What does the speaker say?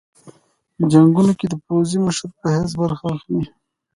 په جنګونو کې د پوځي مشر په حیث برخه اخلي.